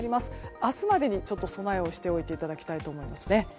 明日までに備えをしておいていただきたいです。